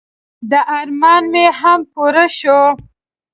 د ارمان مې هم پوره شو.